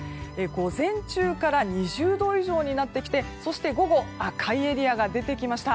午前中から２０度以上になってきてそして、午後赤いエリアが出てきました。